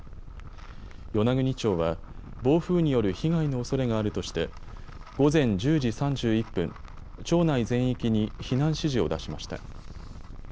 与那国町は暴風による被害のおそれがあるとして午前１０時３１分、町内全域に避難指示を出しました。